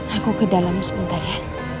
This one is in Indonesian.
aku ke dalam sebentar ya